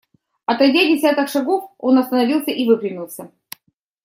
Отойдя десяток шагов, он остановился и выпрямился.